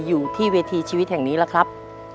อยู่ที่เวทีชีวิตแห่งนี้แล้วครับ